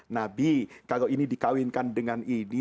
nabi kalau ini dikawinkan dengan ini